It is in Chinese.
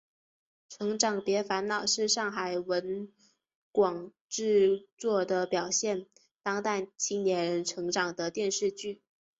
成长别烦恼是上海文广制作的表现当代青少年成长的电视剧。